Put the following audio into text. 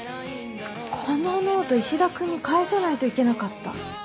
このノート石田君に返さないといけなかった。